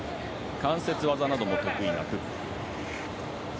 関節技なども得意なプップ。